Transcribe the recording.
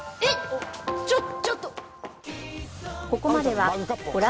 ちょっちょっと！